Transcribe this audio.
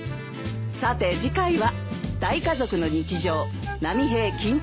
さて次回は。